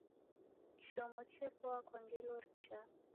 Kishomo chepoa kwa ngelo richaa.